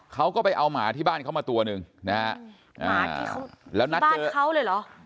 เขาก็ไปเอาหมาที่บ้านเขามาตัวหนึ่งนะฮะหมาที่เขาแล้วนัดบ้านเขาเลยเหรอ